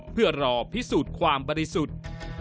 เพื่อรอพิสูจน์ความบริสุทธิ์